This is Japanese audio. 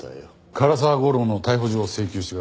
唐沢吾郎の逮捕状を請求してください。